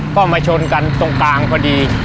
ก็มาชนกันตรงกลางพอดี